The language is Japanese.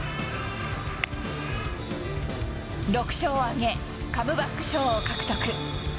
６勝を挙げカムバック賞を獲得。